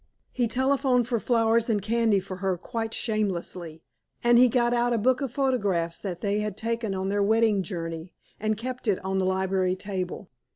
He telephoned for flowers and candy for her quite shamelessly, and he got out a book of photographs that they had taken on their wedding journey, and kept it on the library table.